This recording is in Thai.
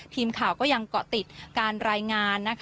ทีมข่าวก็ยังเกาะติดการรายงาน